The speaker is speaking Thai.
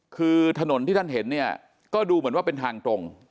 คือถนนที่ท่านเห็นเนี่ยก็ดูเหมือนว่าเป็นทางตรง